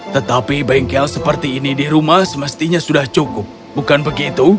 tetapi bengkel seperti ini di rumah semestinya sudah cukup bukan begitu